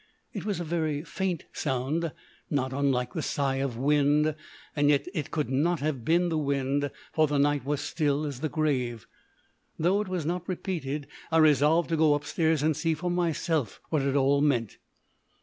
It was a very faint sound, not unlike the sigh of wind; yet it could not have been the wind, for the night was still as the grave. Though it was not repeated, I resolved to go upstairs and see for myself what it all meant.